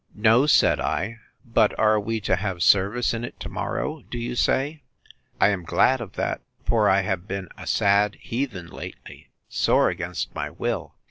No, said I; but are we to have service in it to morrow, do you say?—I am glad of that; for I have been a sad heathen lately, sore against my will!